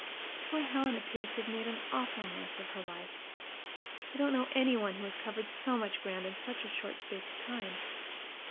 Poor Helen appears to have made an awful mess of her life. I don't know any one who has covered so much ground in such a short space of time.